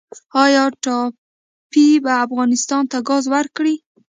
آیا ټاپي به افغانستان ته ګاز ورکړي؟